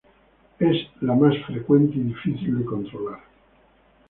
Es la más frecuente y difícil de controlar.